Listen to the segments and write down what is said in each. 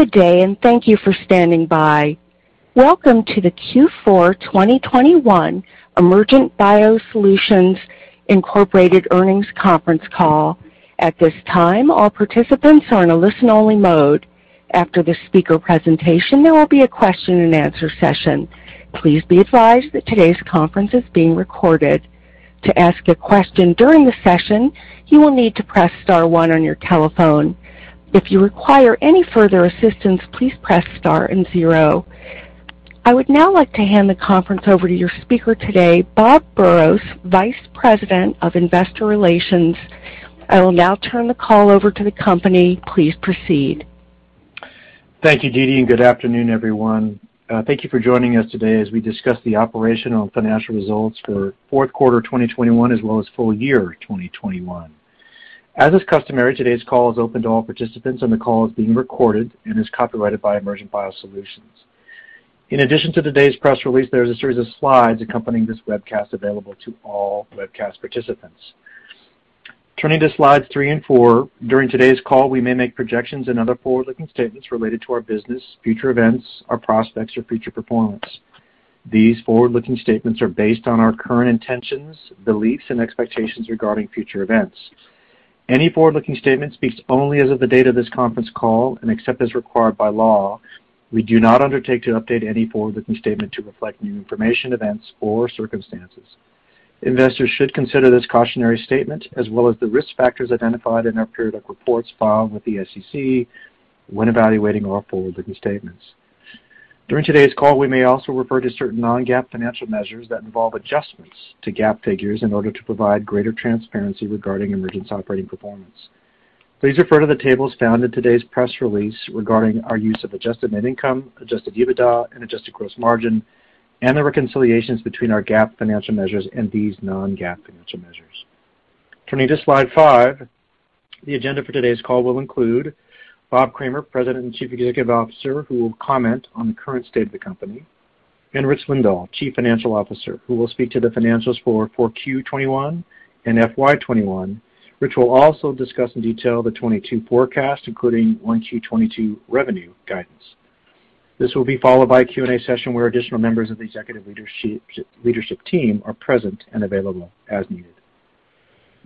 Good day, and thank you for standing by. Welcome to the Q4 2021 Emergent BioSolutions Inc. Earnings Conference Call. At this time, all participants are in a listen-only mode. After the speaker presentation, there will be a question-and-answer session. Please be advised that today's conference is being recorded. To ask a question during the session, you will need to press star one on your telephone. If you require any further assistance, please press star and zero. I would now like to hand the conference over to your speaker today, Bob Burrows, Vice President of Investor Relations. I will now turn the call over to the company. Please proceed. Thank you, DeeDee, and good afternoon, everyone. Thank you for joining us today as we discuss the operational and financial results for fourth quarter 2021 as well as full year 2021. As is customary, today's call is open to all participants, and the call is being recorded and is copyrighted by Emergent BioSolutions. In addition to today's press release, there's a series of slides accompanying this webcast available to all webcast participants. Turning to slides three and four, during today's call, we may make projections and other forward-looking statements related to our business, future events, our prospects, or future performance. These forward-looking statements are based on our current intentions, beliefs, and expectations regarding future events. Any forward-looking statements speak only as of the date of this conference call, and except as required by law, we do not undertake to update any forward-looking statement to reflect new information, events, or circumstances. Investors should consider this cautionary statement as well as the risk factors identified in our periodic reports filed with the SEC when evaluating our forward-looking statements. During today's call, we may also refer to certain non-GAAP financial measures that involve adjustments to GAAP figures in order to provide greater transparency regarding Emergent's operating performance. Please refer to the tables found in today's press release regarding our use of adjusted net income, Adjusted EBITDA, and adjusted gross margin and the reconciliations between our GAAP financial measures and these non-GAAP financial measures. Turning to slide five, the agenda for today's call will include Bob Kramer, President and Chief Executive Officer, who will comment on the current state of the company, and Rich Lindahl, Chief Financial Officer, who will speak to the financials for 4Q 2021 and FY 2021. Rich will also discuss in detail the 2022 forecast, including 1Q 2022 revenue guidance. This will be followed by a Q&A session where additional members of the executive leadership team are present and available as needed.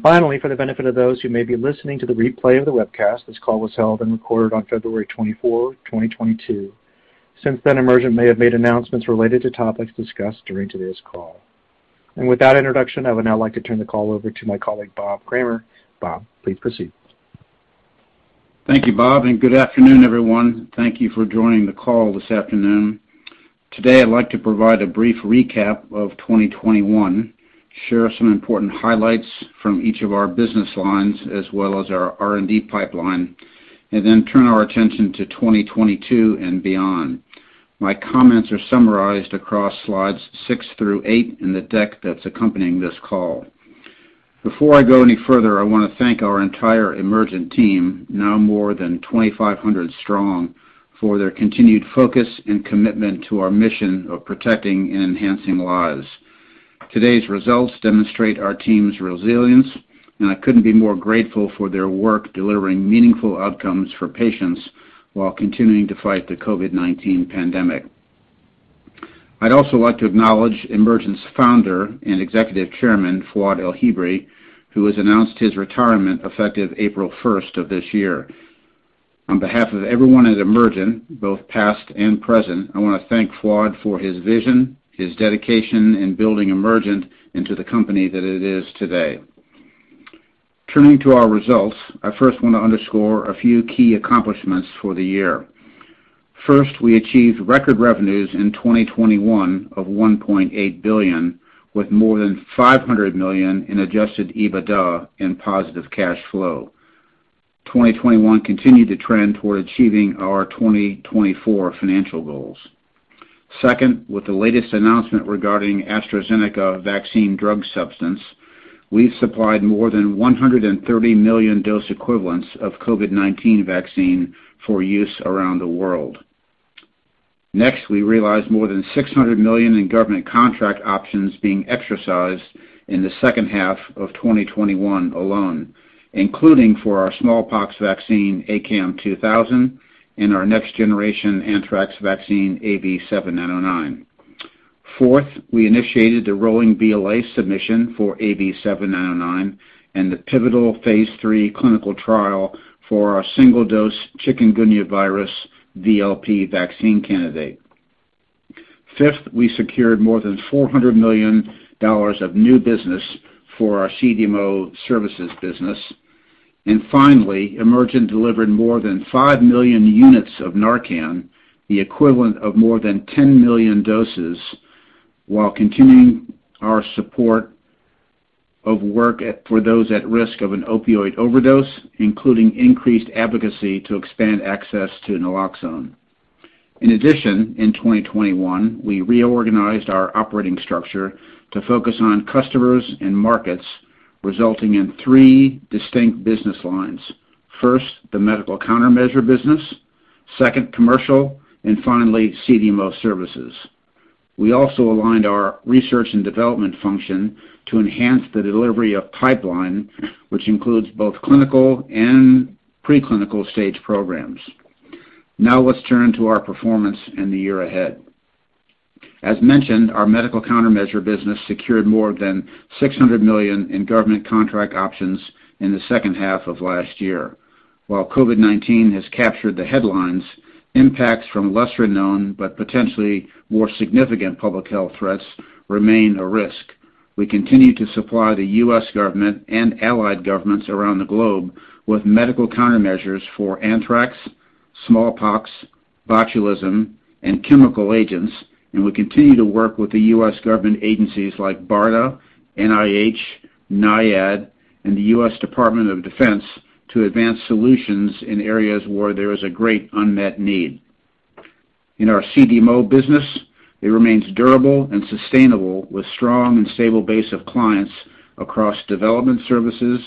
Finally, for the benefit of those who may be listening to the replay of the webcast, this call was held and recorded on February twenty-four, twenty twenty-two. Since then, Emergent may have made announcements related to topics discussed during today's call. With that introduction, I would now like to turn the call over to my colleague, Bob Kramer. Bob, please proceed. Thank you, Bob, and good afternoon, everyone. Thank you for joining the call this afternoon. Today, I'd like to provide a brief recap of 2021, share some important highlights from each of our business lines as well as our R&D pipeline, and then turn our attention to 2022 and beyond. My comments are summarized across slides six through eight in the deck that's accompanying this call. Before I go any further, I wanna thank our entire Emergent team, now more than 2,500 strong, for their continued focus and commitment to our mission of protecting and enhancing lives. Today's results demonstrate our team's resilience, and I couldn't be more grateful for their work delivering meaningful outcomes for patients while continuing to fight the COVID-19 pandemic. I'd also like to acknowledge Emergent's Founder and Executive Chairman, Fuad El-Hibri, who has announced his retirement effective April first of this year. On behalf of everyone at Emergent, both past and present, I wanna thank Fouad for his vision, his dedication in building Emergent into the company that it is today. Turning to our results, I first want to underscore a few key accomplishments for the year. First, we achieved record revenues in 2021 of $1.8 billion, with more than $500 million in Adjusted EBITDA and positive cash flow. 2021 continued the trend toward achieving our 2024 financial goals. Second, with the latest announcement regarding AstraZeneca vaccine drug substance, we've supplied more than 130 million dose equivalents of COVID-19 vaccine for use around the world. Next, we realized more than $600 million in government contract options being exercised in the second half of 2021 alone, including for our smallpox vaccine ACAM2000 and our next-generation anthrax vaccine, AV7909. Fourth, we initiated the rolling BLA submission for AV7909 and the pivotal phase III clinical trial for our single-dose chikungunya virus VLP vaccine candidate. Fifth, we secured more than $400 million of new business for our CDMO services business. Finally, Emergent delivered more than 5 million units of NARCAN, the equivalent of more than 10 million doses, while continuing our support for those at risk of an opioid overdose, including increased advocacy to expand access to naloxone. In addition, in 2021, we reorganized our operating structure to focus on customers and markets, resulting in three distinct business lines. First, the medical countermeasure business, second, commercial, and finally, CDMO services. We also aligned our research and development function to enhance the delivery of pipeline, which includes both clinical and preclinical stage programs. Now let's turn to our performance and the year ahead. As mentioned, our medical countermeasure business secured more than $600 million in government contract options in the second half of last year. While COVID-19 has captured the headlines, impacts from lesser-known but potentially more significant public health threats remain a risk. We continue to supply the U.S. government and allied governments around the globe with medical countermeasures for anthrax, smallpox, botulism, and chemical agents, and we continue to work with the U.S. government agencies like BARDA, NIH, NIAID, and the U.S. Department of Defense to advance solutions in areas where there is a great unmet need. In our CDMO business, it remains durable and sustainable, with strong and stable base of clients across development services,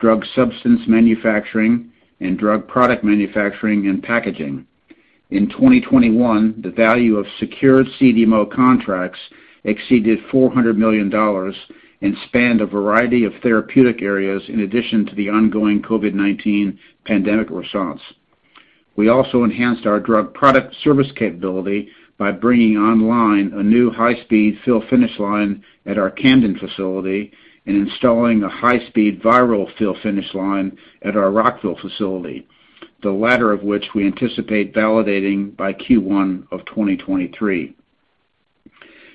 drug substance manufacturing, and drug product manufacturing and packaging. In 2021, the value of secured CDMO contracts exceeded $400 million and spanned a variety of therapeutic areas in addition to the ongoing COVID-19 pandemic response. We also enhanced our drug product service capability by bringing online a new high-speed fill finish line at our Camden facility and installing a high-speed viral fill finish line at our Rockville facility, the latter of which we anticipate validating by Q1 of 2023.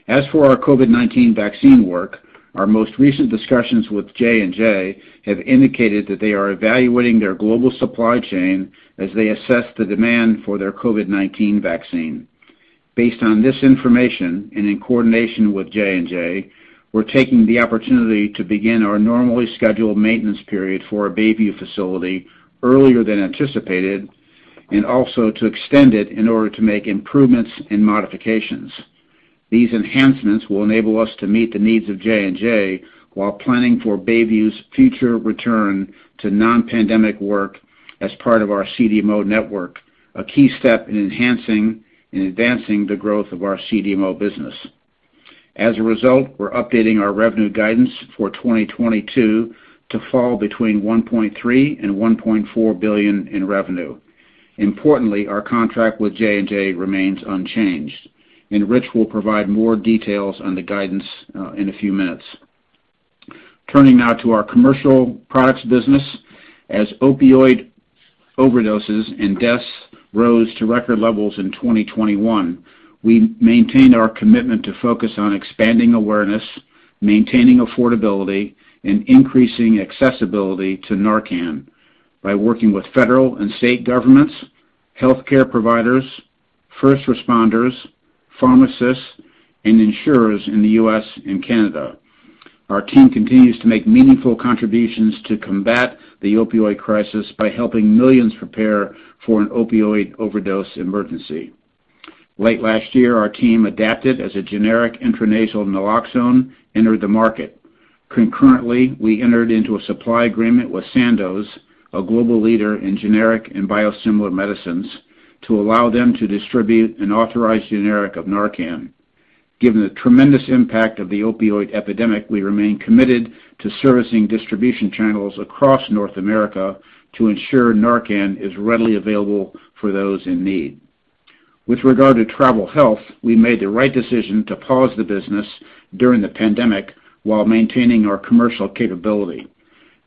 As for our COVID-19 vaccine work, our most recent discussions with J&J have indicated that they are evaluating their global supply chain as they assess the demand for their COVID-19 vaccine. Based on this information, and in coordination with J&J, we're taking the opportunity to begin our normally scheduled maintenance period for our Bayview facility earlier than anticipated and also to extend it in order to make improvements and modifications. These enhancements will enable us to meet the needs of J&J while planning for Bayview's future return to non-pandemic work as part of our CDMO network, a key step in enhancing and advancing the growth of our CDMO business. As a result, we're updating our revenue guidance for 2022 to fall between $1.3 billion and $1.4 billion in revenue. Importantly, our contract with J&J remains unchanged, and Rich will provide more details on the guidance in a few minutes. Turning now to our commercial products business. As opioid overdoses and deaths rose to record levels in 2021, we maintained our commitment to focus on expanding awareness, maintaining affordability, and increasing accessibility to Narcan by working with federal and state governments, healthcare providers, first responders, pharmacists, and insurers in the U.S. and Canada. Our team continues to make meaningful contributions to combat the opioid crisis by helping millions prepare for an opioid overdose emergency. Late last year, our team adapted as a generic intranasal naloxone entered the market. Concurrently, we entered into a supply agreement with Sandoz, a global leader in generic and biosimilar medicines, to allow them to distribute an authorized generic of NARCAN. Given the tremendous impact of the opioid epidemic, we remain committed to servicing distribution channels across North America to ensure NARCAN is readily available for those in need. With regard to travel health, we made the right decision to pause the business during the pandemic while maintaining our commercial capability.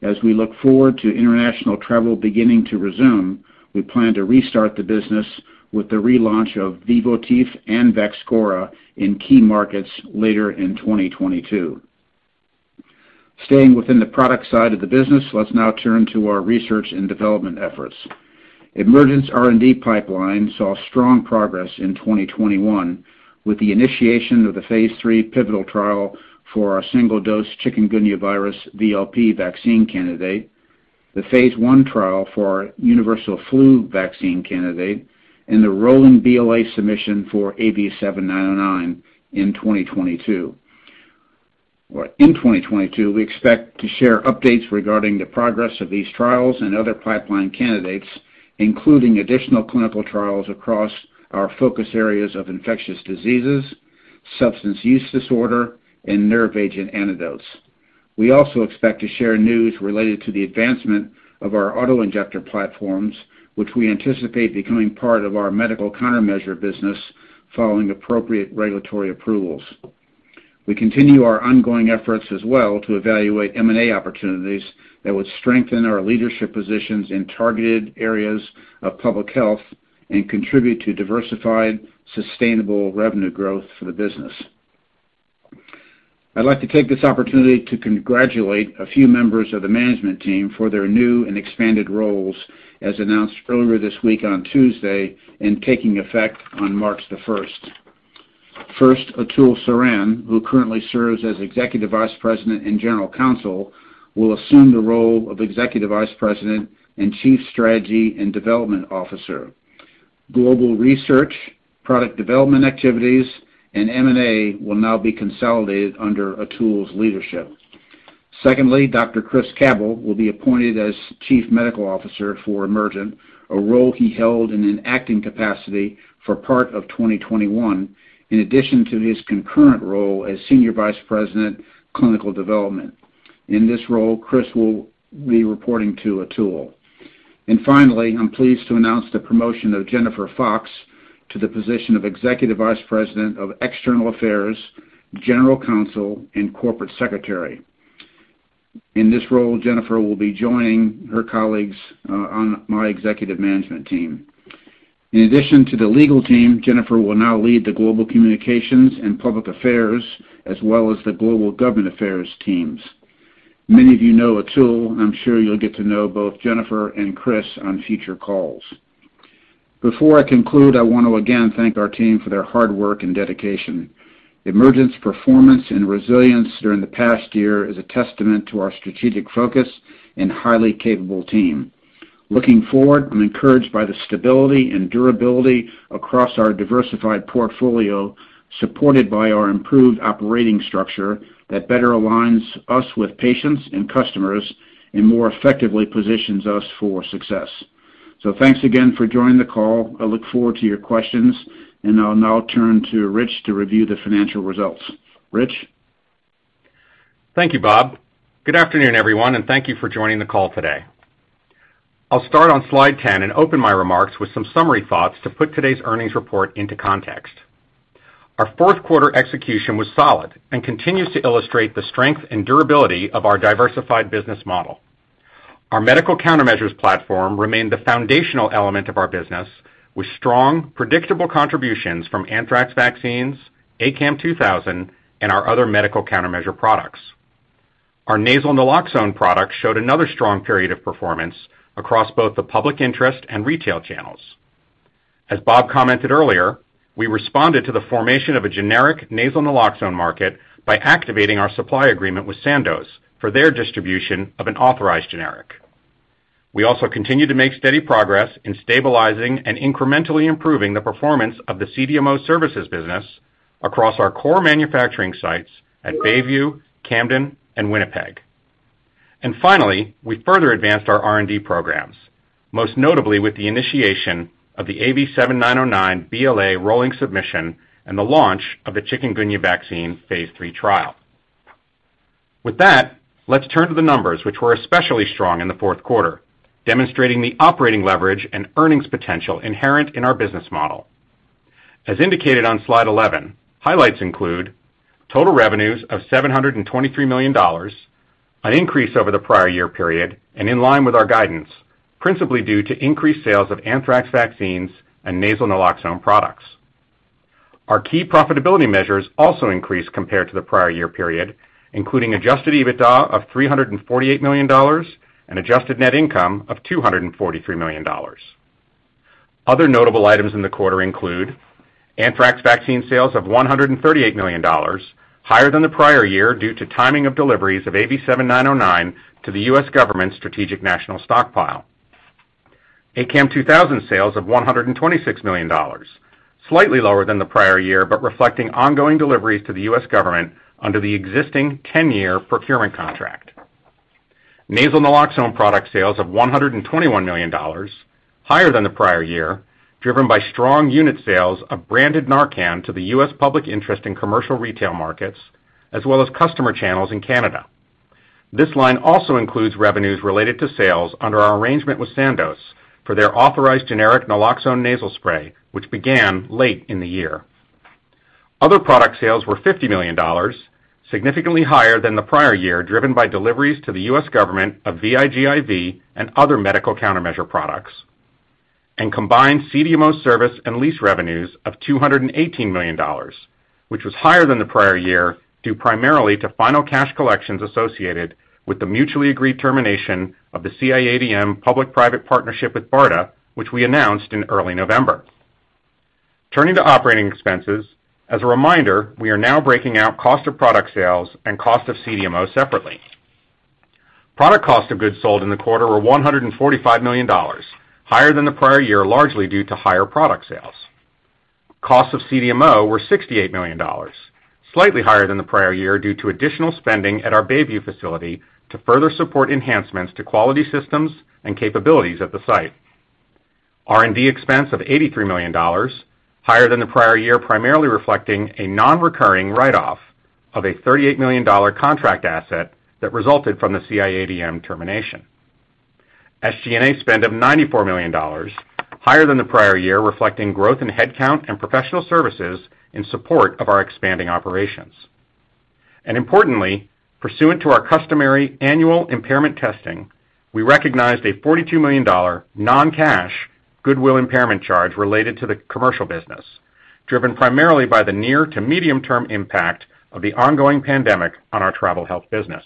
As we look forward to international travel beginning to resume, we plan to restart the business with the relaunch of VIVOTIF and VAXCHORA in key markets later in 2022. Staying within the product side of the business, let's now turn to our research and development efforts. Emergent's R&D pipeline saw strong progress in 2021 with the initiation of the phase III pivotal trial for our single-dose chikungunya virus VLP vaccine candidate, the phase I trial for our universal flu vaccine candidate, and the rolling BLA submission for AV7909 in 2022. Well, in 2022, we expect to share updates regarding the progress of these trials and other pipeline candidates, including additional clinical trials across our focus areas of infectious diseases, substance use disorder, and nerve agent antidotes. We also expect to share news related to the advancement of our auto-injector platforms, which we anticipate becoming part of our medical countermeasure business following appropriate regulatory approvals. We continue our ongoing efforts as well to evaluate M&A opportunities that would strengthen our leadership positions in targeted areas of public health and contribute to diversified, sustainable revenue growth for the business. I'd like to take this opportunity to congratulate a few members of the management team for their new and expanded roles as announced earlier this week on Tuesday and taking effect on March the first. First, Atul Saran, who currently serves as executive vice president and general counsel, will assume the role of executive vice president and chief strategy and development officer. Global research, product development activities, and M&A will now be consolidated under Atul's leadership. Secondly, Dr. Chris Cabell will be appointed as Chief Medical Officer for Emergent, a role he held in an acting capacity for part of 2021, in addition to his concurrent role as Senior Vice President, Clinical Development. In this role, Chris will be reporting to Atul. Finally, I'm pleased to announce the promotion of Jennifer Fox to the position of Executive Vice President of External Affairs, General Counsel, and Corporate Secretary. In this role, Jennifer will be joining her colleagues on my executive management team. In addition to the legal team, Jennifer will now lead the global communications and public affairs as well as the global government affairs teams. Many of you know Atul, and I'm sure you'll get to know both Jennifer and Chris on future calls. Before I conclude, I want to again thank our team for their hard work and dedication. Emergent's performance and resilience during the past year is a testament to our strategic focus and highly capable team. Looking forward, I'm encouraged by the stability and durability across our diversified portfolio, supported by our improved operating structure that better aligns us with patients and customers and more effectively positions us for success. Thanks again for joining the call. I look forward to your questions, and I'll now turn to Rich to review the financial results. Rich? Thank you, Bob. Good afternoon, everyone, and thank you for joining the call today. I'll start on slide 10 and open my remarks with some summary thoughts to put today's earnings report into context. Our fourth quarter execution was solid and continues to illustrate the strength and durability of our diversified business model. Our medical countermeasures platform remained the foundational element of our business with strong, predictable contributions from anthrax vaccines, ACAM2000, and our other medical countermeasure products. Our nasal naloxone product showed another strong period of performance across both the public interest and retail channels. As Bob commented earlier, we responded to the formation of a generic nasal naloxone market by activating our supply agreement with Sandoz for their distribution of an authorized generic. We also continue to make steady progress in stabilizing and incrementally improving the performance of the CDMO services business across our core manufacturing sites at Bayview, Camden, and Winnipeg. Finally, we further advanced our R&D programs, most notably with the initiation of the AV7909 BLA rolling submission and the launch of the chikungunya vaccine phase III trial. With that, let's turn to the numbers which were especially strong in the fourth quarter, demonstrating the operating leverage and earnings potential inherent in our business model. As indicated on slide 11, highlights include total revenues of $723 million, an increase over the prior year period and in line with our guidance, principally due to increased sales of anthrax vaccines and nasal naloxone products. Our key profitability measures also increased compared to the prior year period, including Adjusted EBITDA of $348 million and adjusted net income of $243 million. Other notable items in the quarter include anthrax vaccine sales of $138 million, higher than the prior year due to timing of deliveries of AV7909 to the U.S. government Strategic National Stockpile. ACAM2000 sales of $126 million, slightly lower than the prior year, but reflecting ongoing deliveries to the U.S. government under the existing ten-year procurement contract. Nasal naloxone product sales of $121 million, higher than the prior year, driven by strong unit sales of branded NARCAN to the U.S. public sector in commercial retail markets as well as customer channels in Canada. This line also includes revenues related to sales under our arrangement with Sandoz for their authorized generic naloxone nasal spray, which began late in the year. Other product sales were $50 million, significantly higher than the prior year, driven by deliveries to the U.S. government of VIGIV and other medical countermeasure products. Combined CDMO service and lease revenues of $218 million, which was higher than the prior year, due primarily to final cash collections associated with the mutually agreed termination of the CIADM public-private partnership with BARDA, which we announced in early November. Turning to operating expenses, as a reminder, we are now breaking out cost of product sales and cost of CDMO separately. Product cost of goods sold in the quarter were $145 million, higher than the prior year, largely due to higher product sales. Cost of CDMO were $68 million, slightly higher than the prior year due to additional spending at our Bayview facility to further support enhancements to quality systems and capabilities at the site. R&D expense of $83 million, higher than the prior year, primarily reflecting a non-recurring write-off of a $38 million contract asset that resulted from the CIADM termination. SG&A spend of $94 million, higher than the prior year, reflecting growth in headcount and professional services in support of our expanding operations. Importantly, pursuant to our customary annual impairment testing, we recognized a $42 million non-cash goodwill impairment charge related to the commercial business, driven primarily by the near to medium-term impact of the ongoing pandemic on our travel health business.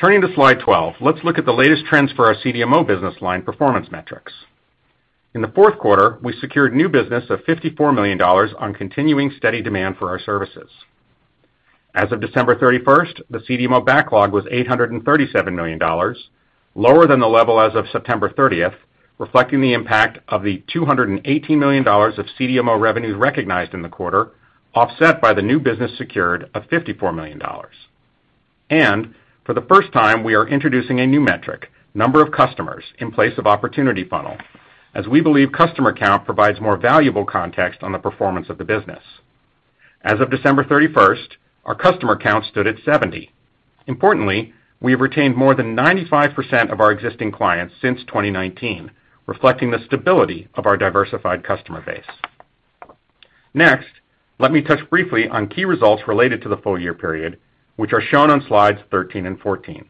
Turning to slide 12, let's look at the latest trends for our CDMO business line performance metrics. In the fourth quarter, we secured new business of $54 million on continuing steady demand for our services. As of December 31, the CDMO backlog was $837 million, lower than the level as of September 30, reflecting the impact of the $218 million of CDMO revenues recognized in the quarter, offset by the new business secured of $54 million. For the first time, we are introducing a new metric, number of customers, in place of opportunity funnel, as we believe customer count provides more valuable context on the performance of the business. As of December 31, our customer count stood at 70. Importantly, we have retained more than 95% of our existing clients since 2019, reflecting the stability of our diversified customer base. Next, let me touch briefly on key results related to the full-year period, which are shown on slides 13 and 14.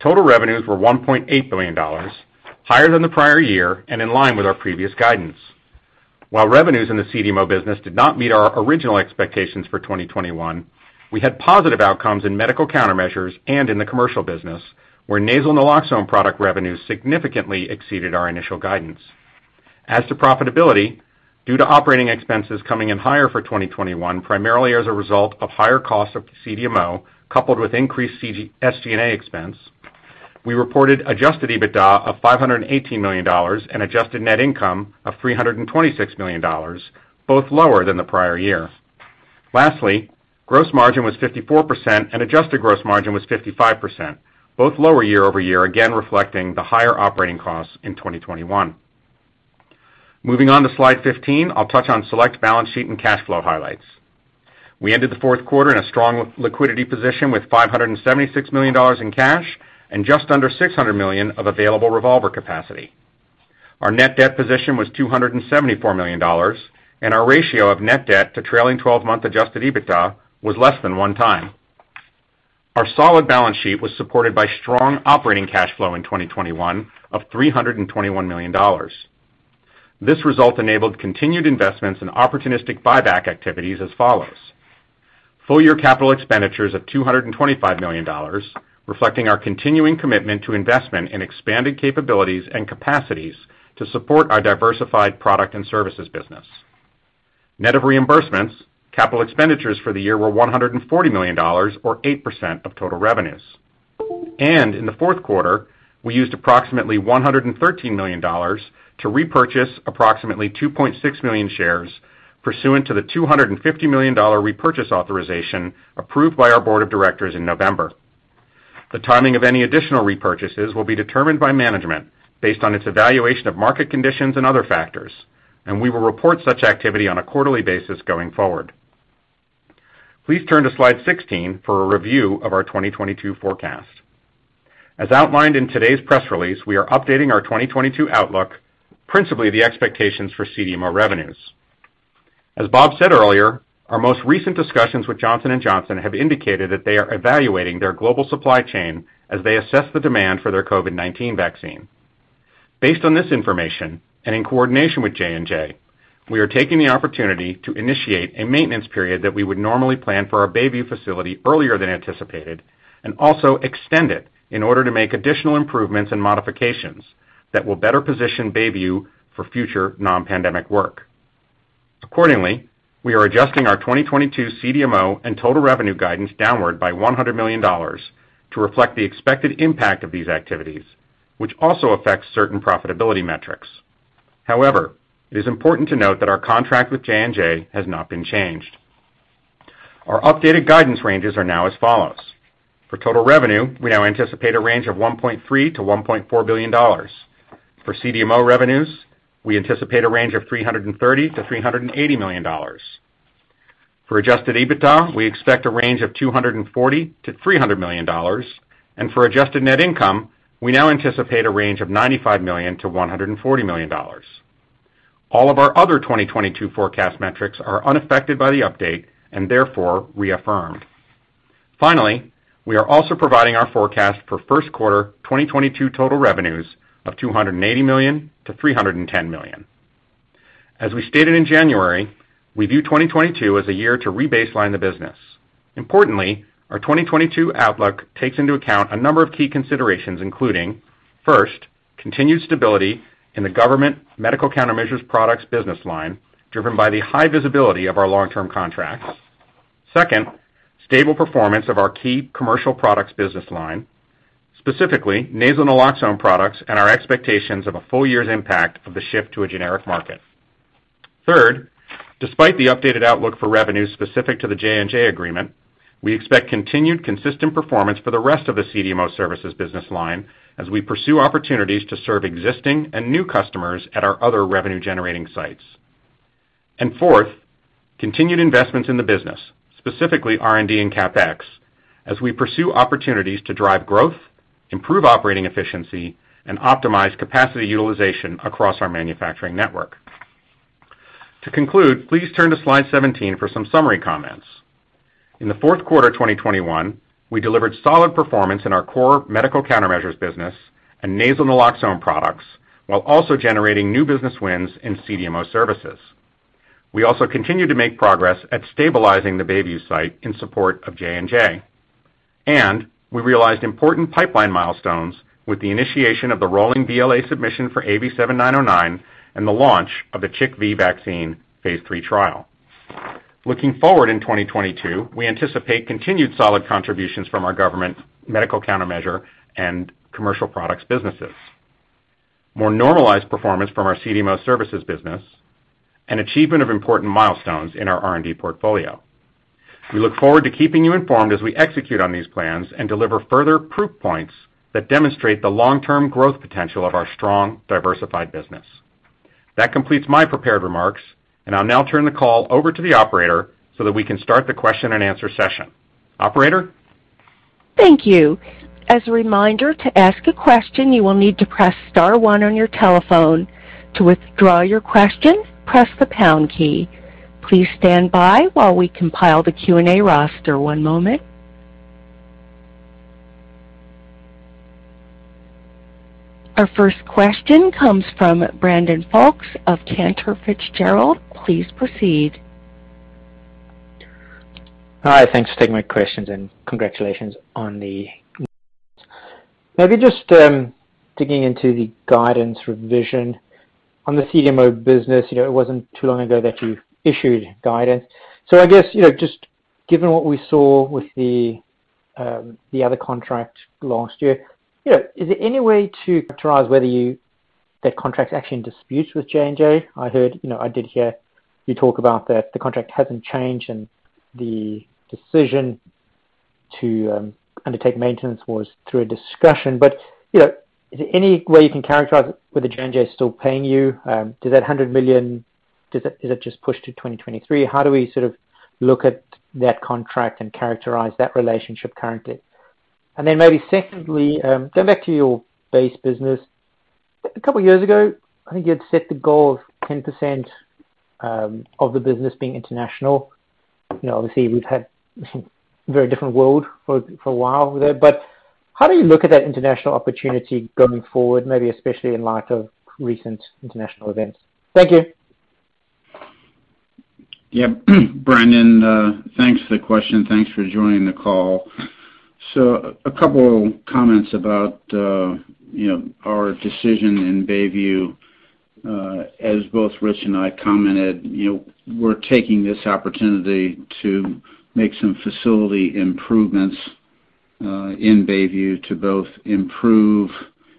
Total revenues were $1.8 billion, higher than the prior year and in line with our previous guidance. While revenues in the CDMO business did not meet our original expectations for 2021, we had positive outcomes in medical countermeasures and in the commercial business, where nasal naloxone product revenues significantly exceeded our initial guidance. As to profitability, due to operating expenses coming in higher for 2021, primarily as a result of higher costs of CDMO coupled with increased SG&A expense, we reported Adjusted EBITDA of $518 million and adjusted net income of $326 million, both lower than the prior year. Lastly, gross margin was 54% and adjusted gross margin was 55%, both lower year-over-year, again reflecting the higher operating costs in 2021. Moving on to slide 15, I'll touch on select balance sheet and cash flow highlights. We ended the fourth quarter in a strong liquidity position with $576 million in cash and just under $600 million of available revolver capacity. Our net debt position was $274 million, and our ratio of net debt to trailing twelve-month Adjusted EBITDA was less than 1x. Our solid balance sheet was supported by strong operating cash flow in 2021 of $321 million. This result enabled continued investments in opportunistic buyback activities as follows. Full year capital expenditures of $225 million, reflecting our continuing commitment to investment in expanded capabilities and capacities to support our diversified product and services business. Net of reimbursements, capital expenditures for the year were $140 million or 8% of total revenues. In the fourth quarter, we used approximately $113 million to repurchase approximately 2.6 million shares pursuant to the $250 million repurchase authorization approved by our board of directors in November. The timing of any additional repurchases will be determined by management based on its evaluation of market conditions and other factors, and we will report such activity on a quarterly basis going forward. Please turn to slide 16 for a review of our 2022 forecast. As outlined in today's press release, we are updating our 2022 outlook, principally the expectations for CDMO revenues. As Bob said earlier, our most recent discussions with Johnson & Johnson have indicated that they are evaluating their global supply chain as they assess the demand for their COVID-19 vaccine. Based on this information, and in coordination with J&J, we are taking the opportunity to initiate a maintenance period that we would normally plan for our Bayview facility earlier than anticipated, and also extend it in order to make additional improvements and modifications that will better position Bayview for future non-pandemic work. Accordingly, we are adjusting our 2022 CDMO and total revenue guidance downward by $100 million to reflect the expected impact of these activities, which also affects certain profitability metrics. However, it is important to note that our contract with J&J has not been changed. Our updated guidance ranges are now as follows. For total revenue, we now anticipate a range of $1.3 billion-$1.4 billion. For CDMO revenues, we anticipate a range of $330 million-$380 million. For Adjusted EBITDA, we expect a range of $240 million-$300 million. For adjusted net income, we now anticipate a range of $95 million-$140 million. All of our other 2022 forecast metrics are unaffected by the update and therefore reaffirmed. Finally, we are also providing our forecast for first quarter 2022 total revenues of $280 million-$310 million. As we stated in January, we view 2022 as a year to re-baseline the business. Importantly, our 2022 outlook takes into account a number of key considerations, including, first, continued stability in the government medical countermeasures products business line, driven by the high visibility of our long-term contracts. Second, stable performance of our key commercial products business line, specifically nasal naloxone products and our expectations of a full year's impact of the shift to a generic market. Third, despite the updated outlook for revenues specific to the J&J agreement, we expect continued consistent performance for the rest of the CDMO services business line as we pursue opportunities to serve existing and new customers at our other revenue-generating sites. Fourth, continued investments in the business, specifically R&D and CapEx, as we pursue opportunities to drive growth, improve operating efficiency, and optimize capacity utilization across our manufacturing network. To conclude, please turn to slide 17 for some summary comments. In the fourth quarter 2021, we delivered solid performance in our core medical countermeasures business and nasal naloxone products while also generating new business wins in CDMO services. We also continued to make progress at stabilizing the Bayview site in support of J&J. We realized important pipeline milestones with the initiation of the rolling BLA submission for AV7909 and the launch of the CHIKV vaccine phase III trial. Looking forward in 2022, we anticipate continued solid contributions from our government medical countermeasure and commercial products businesses, more normalized performance from our CDMO services business, and achievement of important milestones in our R&D portfolio. We look forward to keeping you informed as we execute on these plans and deliver further proof points that demonstrate the long-term growth potential of our strong, diversified business. That completes my prepared remarks, and I'll now turn the call over to the operator so that we can start the question and answer session. Operator? Thank you. As a reminder, to ask a question, you will need to press star one on your telephone. To withdraw your question, press the pound key. Please stand by while we compile the Q&A roster. One moment. Our first question comes from Brandon Folkes of Cantor Fitzgerald. Please proceed. Hi. Thanks for taking my questions and congratulations on the maybe just digging into the guidance revision on the CDMO business. You know, it wasn't too long ago that you issued guidance. I guess, you know, just given what we saw with the other contract last year, you know, is there any way to characterize whether that contract's actually in dispute with J&J? I heard, you know, I did hear you talk about that the contract hasn't changed and the decision to undertake maintenance was through a discussion. You know, is there any way you can characterize whether J&J is still paying you? Does that $100 million is it just push to 2023? How do we sort of look at that contract and characterize that relationship currently? Then maybe secondly, going back to your base business. A couple years ago, I think you had set the goal of 10% of the business being international. You know, obviously, we've had a very different world for a while there, but how do you look at that international opportunity going forward, maybe especially in light of recent international events? Thank you. Yeah. Brandon, thanks for the question. Thanks for joining the call. A couple of comments about, you know, our decision in Bayview. As both Rich and I commented, you know, we're taking this opportunity to make some facility improvements in Bayview to both improve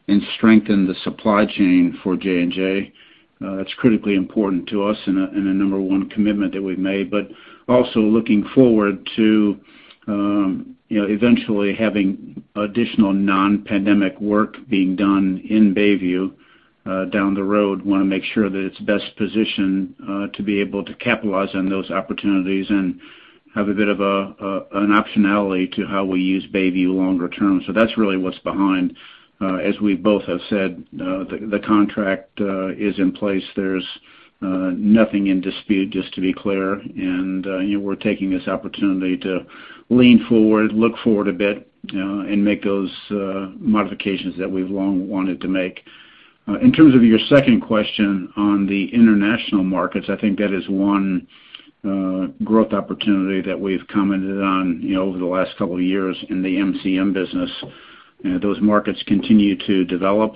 and strengthen the supply chain for J&J. That's critically important to us in a number one commitment that we've made, but also looking forward to, you know, eventually having additional non-pandemic work being done in Bayview down the road, wanna make sure that it's best positioned to be able to capitalize on those opportunities and have a bit of an optionality to how we use Bayview longer term. That's really what's behind. As we both have said, the contract is in place. There's nothing in dispute, just to be clear. You know, we're taking this opportunity to lean forward, look forward a bit, and make those modifications that we've long wanted to make. In terms of your second question on the international markets, I think that is one growth opportunity that we've commented on, you know, over the last couple of years in the MCM business. Those markets continue to develop.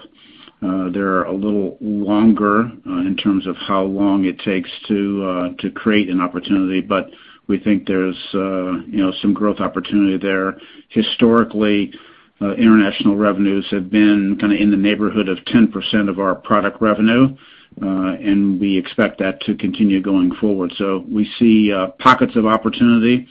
They're a little longer in terms of how long it takes to create an opportunity, but we think there's, you know, some growth opportunity there. Historically, international revenues have been kinda in the neighborhood of 10% of our product revenue, and we expect that to continue going forward. We see pockets of opportunity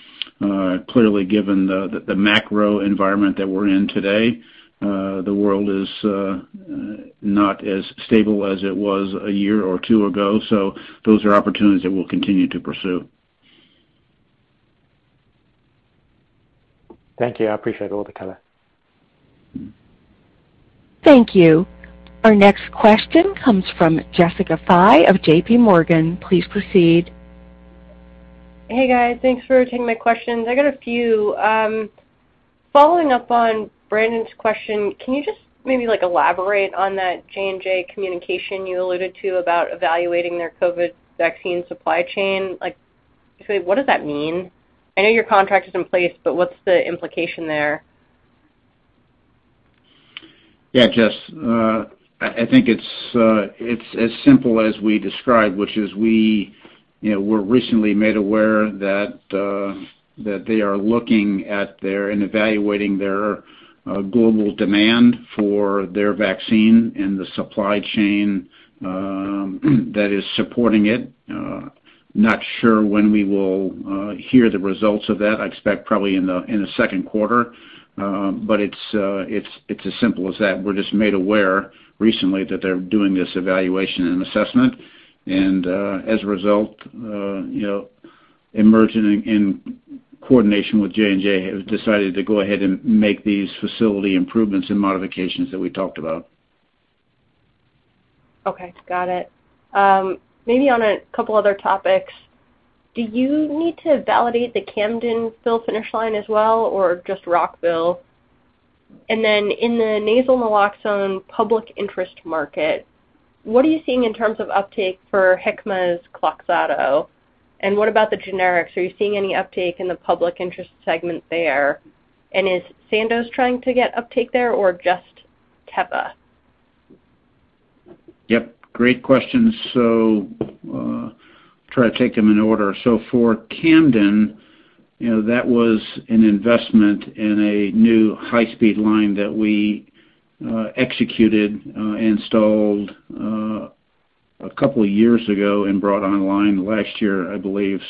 clearly given the macro environment that we're in today. The world is not as stable as it was a year or two ago. Those are opportunities that we'll continue to pursue. Thank you. I appreciate all the color. Thank you. Our next question comes from Jessica Fye of J.P. Morgan. Please proceed. Hey, guys. Thanks for taking my questions. I got a few. Following up on Brandon's question, can you just maybe, like, elaborate on that J&J communication you alluded to about evaluating their COVID vaccine supply chain? Like, basically, what does that mean? I know your contract is in place, but what's the implication there? Yeah, Jess, I think it's as simple as we described, which is we, you know, we're recently made aware that they are looking at and evaluating their global demand for their vaccine and the supply chain that is supporting it. Not sure when we will hear the results of that. I expect probably in the second quarter. But it's as simple as that. We're just made aware recently that they're doing this evaluation and assessment. As a result, you know, Emergent in coordination with J&J have decided to go ahead and make these facility improvements and modifications that we talked about. Okay. Got it. Maybe on a couple other topics, do you need to validate the Camden fill finish line as well or just Rockville? Then in the nasal naloxone public interest market, what are you seeing in terms of uptake for Hikma's KLOXXADO? What about the generics? Are you seeing any uptake in the public interest segment there? Is Sandoz trying to get uptake there or just Teva? Yep, great questions. Try to take them in order. For Camden, you know, that was an investment in a new high-speed line that we executed, installed, a couple years ago and brought online last year, I believe.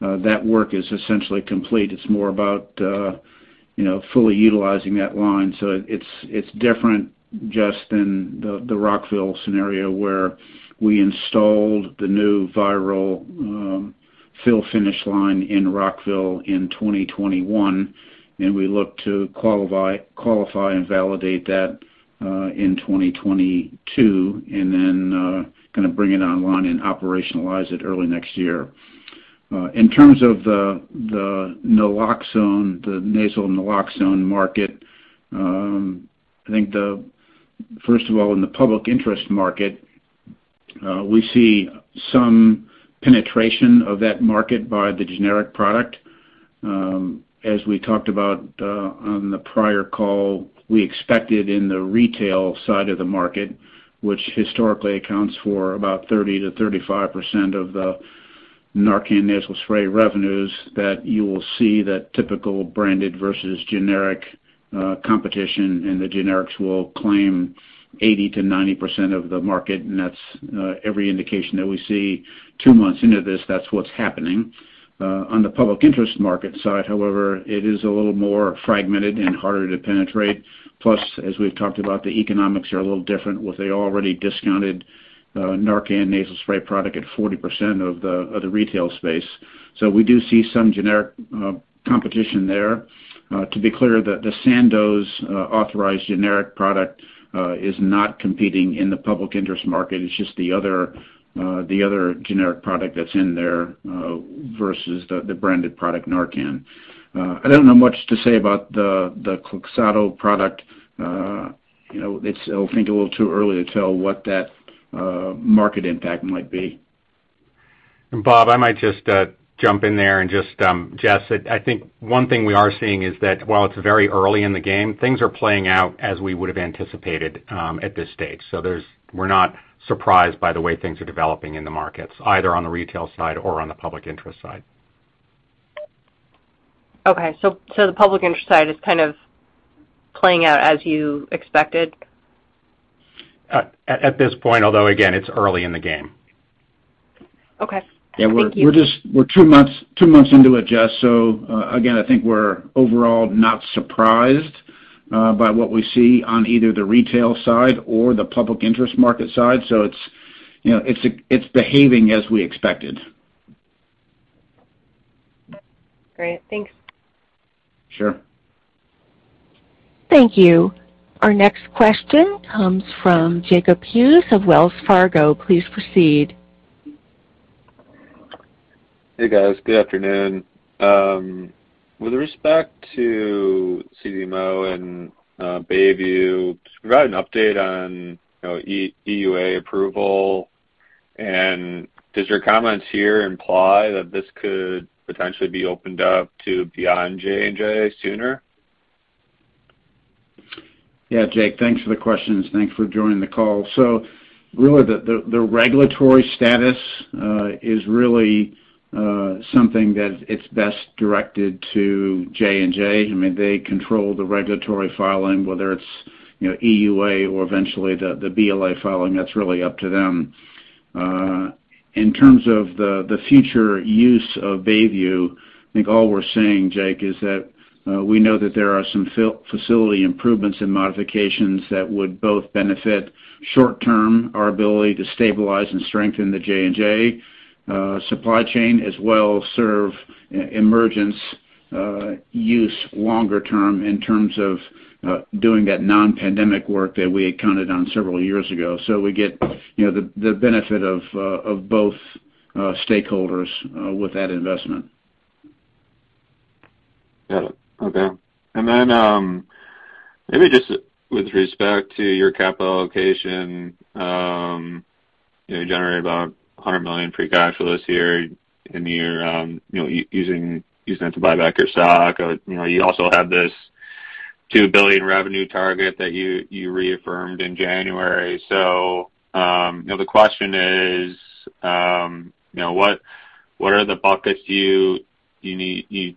That work is essentially complete. It's more about, you know, fully utilizing that line. It's different, Jess, than the Rockville scenario, where we installed the new vial fill-finish line in Rockville in 2021, and we look to qualify and validate that in 2022, and then kind of bring it online and operationalize it early next year. In terms of the naloxone, the nasal naloxone market, I think the first of all, in the public interest market, we see some penetration of that market by the generic product. As we talked about, on the prior call, we expected in the retail side of the market, which historically accounts for about 30%-35% of the NARCAN nasal spray revenues, that you will see that typical branded versus generic, competition, and the generics will claim 80%-90% of the market, and that's every indication that we see two months into this, that's what's happening. On the public interest market side, however, it is a little more fragmented and harder to penetrate, plus, as we've talked about, the economics are a little different with already discounted, NARCAN nasal spray product at 40% of the retail space. So we do see some generic competition there. To be clear, the Sandoz authorized generic product is not competing in the public interest market. It's just the other generic product that's in there versus the branded product NARCAN. I don't know much to say about the KLOXXADO product. You know, it's I think a little too early to tell what that market impact might be. Bob, I might just jump in there. Just, Jessica, I think one thing we are seeing is that while it's very early in the game, things are playing out as we would've anticipated at this stage. We're not surprised by the way things are developing in the markets, either on the retail side or on the public interest side. Okay. The public interest side is kind of playing out as you expected? At this point, although again, it's early in the game. Okay. Thank you. Yeah. We're just two months into it, Jess. Again, I think we're overall not surprised by what we see on either the retail side or the public interest market side. It's, you know, behaving as we expected. Great. Thanks. Sure. Thank you. Our next question comes from Jacob Hughes of Wells Fargo. Please proceed. Hey, guys. Good afternoon. With respect to CDMO and Bayview, just provide an update on, you know, EUA approval. Does your comments here imply that this could potentially be opened up to beyond J&J sooner? Yeah, Jake, thanks for the questions. Thanks for joining the call. Really the regulatory status is really something that it's best directed to J&J. I mean, they control the regulatory filing, whether it's, you know, EUA or eventually the BLA filing. That's really up to them. In terms of the future use of Bayview, I think all we're saying, Jake, is that we know that there are some facility improvements and modifications that would both benefit short term our ability to stabilize and strengthen the J&J supply chain, as well serve Emergent's use longer term in terms of doing that non-pandemic work that we had counted on several years ago. We get, you know, the benefit of both stakeholders with that investment. Got it. Okay. Maybe just with respect to your capital allocation, you know, you generated about $100 million free cash for this year in your, you know, using it to buy back your stock. You know, you also have this $2 billion revenue target that you reaffirmed in January. You know, the question is, you know, what are the buckets you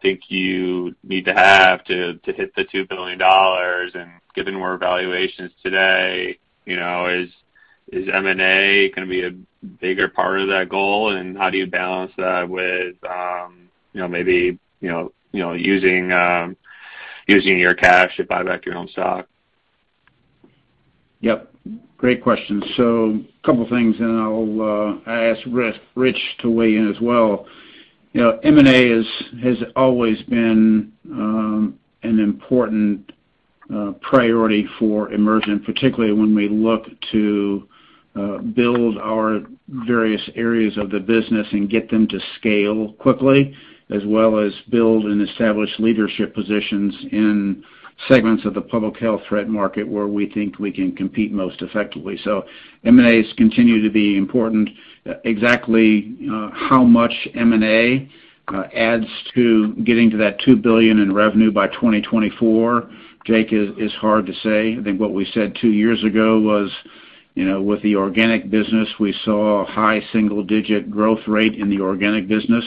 think you need to have to hit the $2 billion? Given where valuation is today, you know, is M&A gonna be a bigger part of that goal? How do you balance that with, you know, maybe you know using your cash to buy back your own stock? Yep, great question. A couple things, and I'll ask Rich to weigh in as well. You know, M&A is, has always been, an important priority for Emergent, particularly when we look to build our various areas of the business and get them to scale quickly, as well as build and establish leadership positions in segments of the public health threat market where we think we can compete most effectively. M&A has continued to be important. Exactly, how much M&A adds to getting to that $2 billion in revenue by 2024, Jake, is hard to say. I think what we said two years ago was. You know, with the organic business, we saw a high single-digit growth rate in the organic business,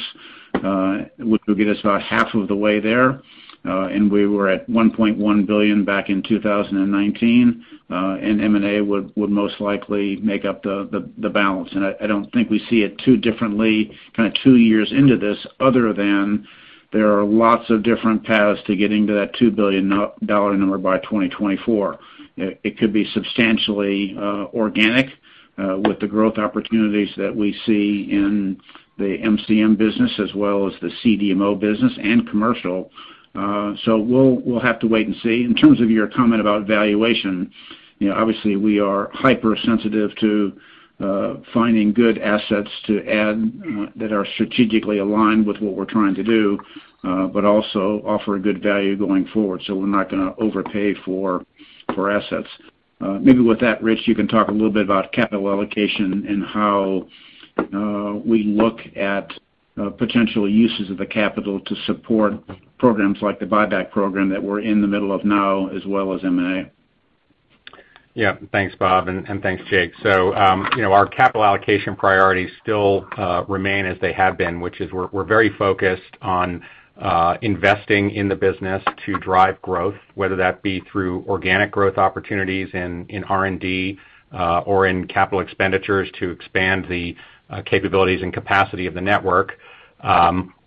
which will get us about half of the way there. We were at $1.1 billion back in 2019. M&A would most likely make up the balance. I don't think we see it too differently kind of two years into this other than there are lots of different paths to getting to that $2 billion number by 2024. It could be substantially organic with the growth opportunities that we see in the MCM business as well as the CDMO business and commercial. We'll have to wait and see. In terms of your comment about valuation, you know, obviously we are hypersensitive to finding good assets to add that are strategically aligned with what we're trying to do, but also offer a good value going forward, so we're not gonna overpay for assets. Maybe with that, Rich, you can talk a little bit about capital allocation and how we look at potential uses of the capital to support programs like the buyback program that we're in the middle of now as well as M&A. Yeah. Thanks, Bob, and thanks, Jake. You know, our capital allocation priorities still remain as they have been, which is we're very focused on investing in the business to drive growth, whether that be through organic growth opportunities in R&D, or in capital expenditures to expand the capabilities and capacity of the network,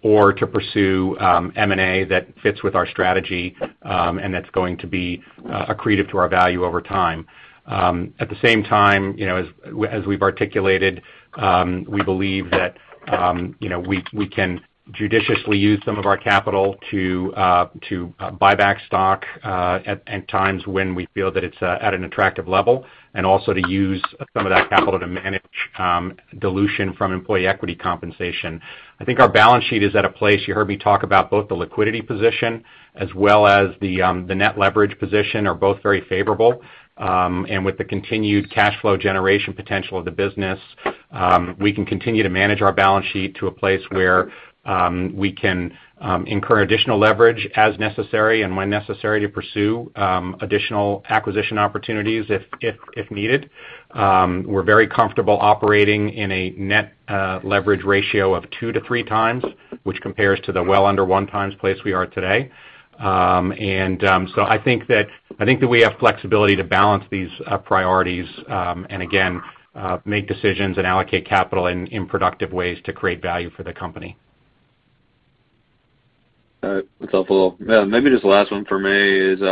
or to pursue M&A that fits with our strategy, and that's going to be accretive to our value over time. At the same time, you know, as we've articulated, we believe that, you know, we can judiciously use some of our capital to buy back stock at times when we feel that it's at an attractive level, and also to use some of that capital to manage dilution from employee equity compensation. I think our balance sheet is at a place, you heard me talk about both the liquidity position as well as the net leverage position are both very favorable. With the continued cash flow generation potential of the business, we can continue to manage our balance sheet to a place where we can incur additional leverage as necessary and when necessary to pursue additional acquisition opportunities if needed. We're very comfortable operating in a net leverage ratio of two-three times, which compares to the well under one times place we are today. I think that we have flexibility to balance these priorities, and again, make decisions and allocate capital in productive ways to create value for the company. All right. That's helpful. Yeah, maybe just the last one for me is, you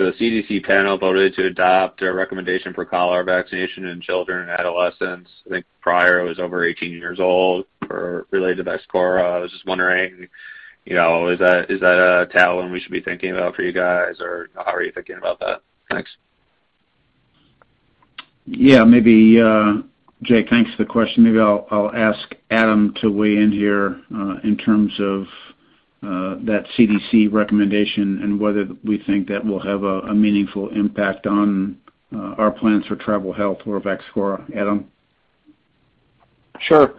know, the CDC panel voted to adopt a recommendation for cholera vaccination in children and adolescents. I think prior it was over 18 years old or related to VAXCHORA. I was just wondering, you know, is that a tailwind we should be thinking about for you guys? Or how are you thinking about that? Thanks. Yeah. Maybe, Jake, thanks for the question. Maybe I'll ask Adam to weigh in here, in terms of that CDC recommendation and whether we think that will have a meaningful impact on our plans for Travel Health or VAXCHORA. Adam? Sure.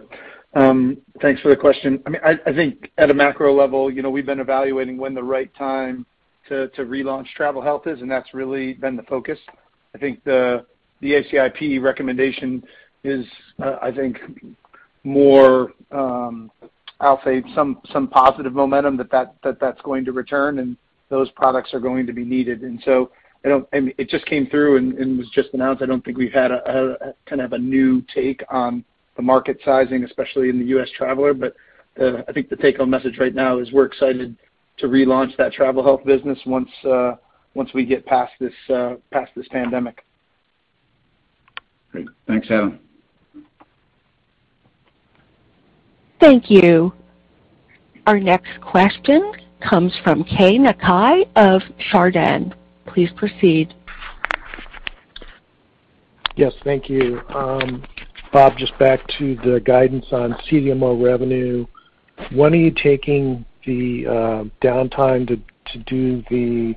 Thanks for the question. I mean, I think at a macro level, you know, we've been evaluating when the right time to relaunch Travel Health is, and that's really been the focus. I think the ACIP recommendation is, I think more, I'll say some positive momentum that that's going to return and those products are going to be needed. I mean, it just came through and was just announced. I don't think we've had a kind of a new take on the market sizing, especially in the U.S. traveler. But, I think the take home message right now is we're excited to relaunch that Travel Health business once we get past this pandemic. Great. Thanks, Adam. Thank you. Our next question comes from Keay Nakae of Chardan. Please proceed. Yes. Thank you. Bob, just back to the guidance on CDMO revenue. When are you taking the downtime to do the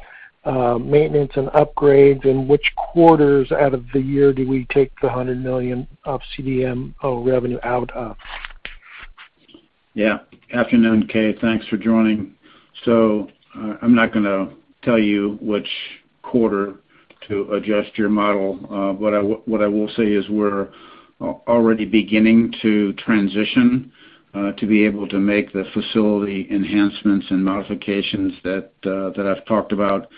maintenance and upgrades, and which quarters out of the year do we take the $100 million of CDMO revenue out of? Yeah. Afternoon, Keay. Thanks for joining. I'm not gonna tell you which quarter to adjust your model. What I will say is we're already beginning to transition to be able to make the facility enhancements and modifications that I've talked about.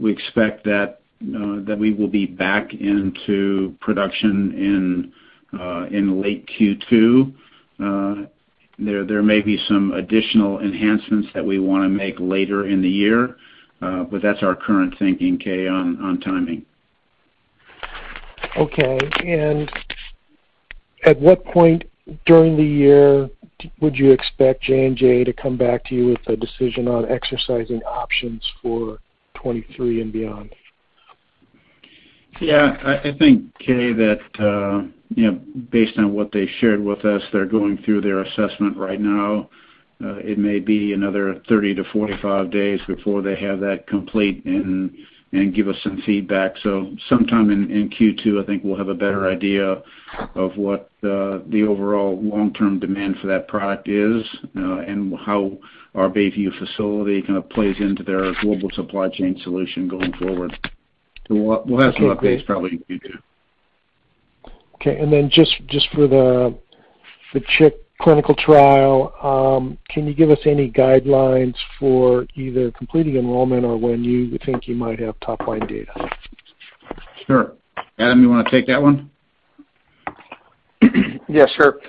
We expect that we will be back into production in late Q2. There may be some additional enhancements that we wanna make later in the year, but that's our current thinking, Keay, on timing. Okay. At what point during the year would you expect J&J to come back to you with a decision on exercising options for 2023 and beyond? Yeah. I think, Kaye, that, you know, based on what they shared with us, they're going through their assessment right now. It may be another 30-45 days before they have that complete and give us some feedback. Sometime in Q2, I think we'll have a better idea of what the overall long-term demand for that product is, and how our Bayview facility kind of plays into their global supply chain solution going forward. We'll have some updates probably in Q2. Okay. Just for the CHIKV clinical trial, can you give us any guidelines for either completing enrollment or when you would think you might have top line data? Sure. Adam, you wanna take that one? Yeah, sure.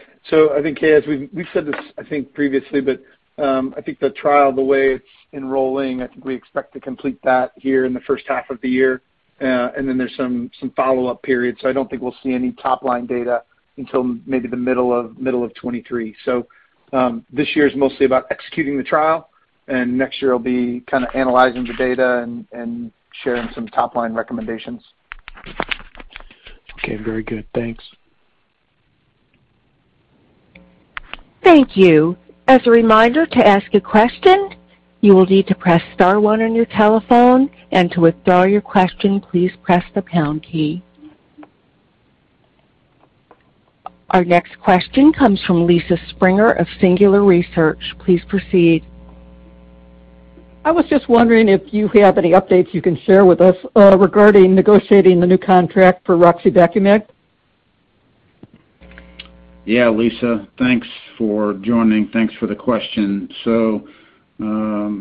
I think, as we've said this, I think, previously, but, I think the trial, the way it's enrolling, I think we expect to complete that here in the first half of the year. And then there's some follow-up periods, so I don't think we'll see any top line data until maybe the middle of 2023. This year is mostly about executing the trial, and next year will be kinda analyzing the data and sharing some top line recommendations. Okay, very good. Thanks. Thank you. As a reminder, to ask a question, you will need to press star one on your telephone, and to withdraw your question, please press the pound key. Our next question comes from Lisa Springer of Singular Research. Please proceed. I was just wondering if you have any updates you can share with us, regarding negotiating the new contract for raxibacumab. Yeah, Lisa. Thanks for joining. Thanks for the question. I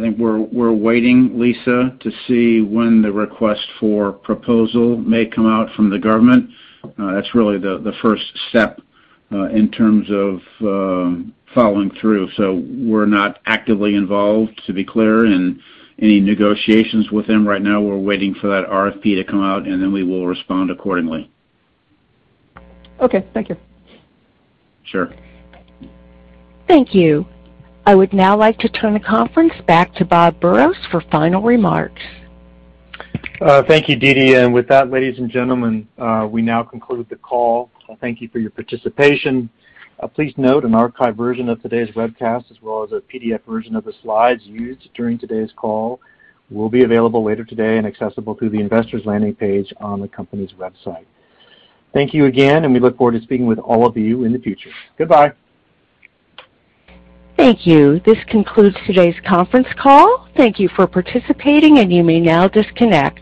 think we're waiting, Lisa, to see when the request for proposal may come out from the government. That's really the first step in terms of following through. We're not actively involved, to be clear, in any negotiations with them right now. We're waiting for that RFP to come out, and then we will respond accordingly. Okay, thank you. Sure. Thank you. I would now like to turn the conference back to Bob Burrows for final remarks. Thank you, DeeDee. With that, ladies and gentlemen, we now conclude the call. Thank you for your participation. Please note an archived version of today's webcast, as well as a PDF version of the slides used during today's call will be available later today and accessible through the investor's landing page on the company's website. Thank you again, and we look forward to speaking with all of you in the future. Goodbye. Thank you. This concludes today's conference call. Thank you for participating, and you may now disconnect.